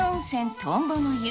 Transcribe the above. トンボの湯。